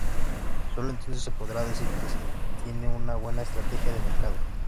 Sólo entonces se podrá decir que se tiene una buena estrategia de mercado.